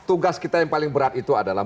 tugas kita yang paling berat itu adalah